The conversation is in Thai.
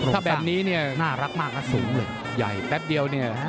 ถ้าแบบนี้เนี่ยน่ารักมากนะสูงเลยใหญ่แป๊บเดียวเนี่ย